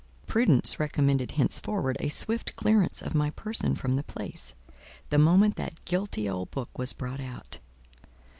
Prudence recommended henceforward a swift clearance of my person from the place, the moment that guilty old book was brought out.